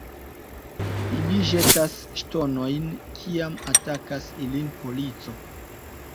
Ili ĵetas ŝtonojn, kiam atakas ilin polico.